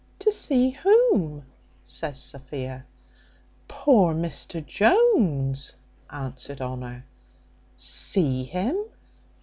"To see whom?" says Sophia. "Poor Mr Jones," answered Honour. "See him!